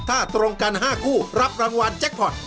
ถ้าตรงกัน๕คู่รับรางวัลแจ็คพอร์ต